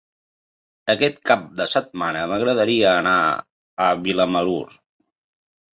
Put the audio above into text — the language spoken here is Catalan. Aquest cap de setmana m'agradaria anar a Vilamalur.